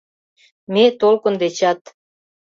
Ме толкын дечат